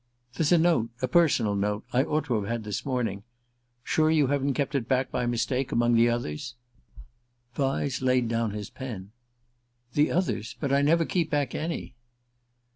"There's a note a personal note I ought to have had this morning. Sure you haven't kept it back by mistake among the others?" Vyse laid down his pen. "The others? But I never keep back any."